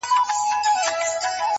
o د ژوندون ساز كي ائينه جوړه كړي.